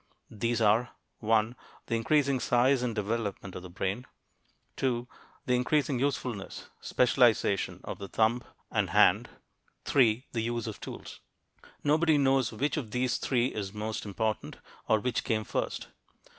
These are: 1. The increasing size and development of the brain. 2. The increasing usefulness (specialization) of the thumb and hand. 3. The use of tools. Nobody knows which of these three is most important, or which came first.